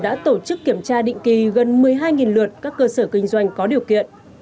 đã tổ chức kiểm tra định kỳ gần một mươi hai lượt các cơ sở kinh doanh có điều kiện